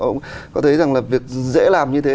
ông có thấy rằng là việc dễ làm như thế